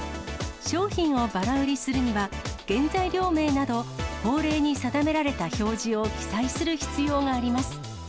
商品をばら売りするには、原材料名など、法令に定められた表示を記載する必要があります。